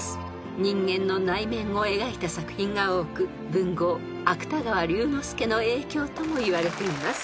［人間の内面を描いた作品が多く文豪芥川龍之介の影響ともいわれています］